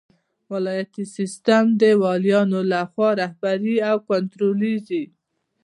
ولایتي سیسټم د والیانو لخوا رهبري او کنټرولیږي.